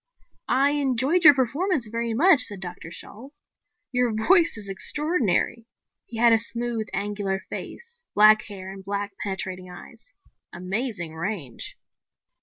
"I enjoyed your performance very much," said Dr. Shalt. "Your voice is extraordinary." He had a smooth, angular face, black hair and black, penetrating eyes. "Amazing range."